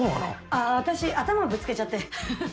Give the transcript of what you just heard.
ああ私頭ぶつけちゃって。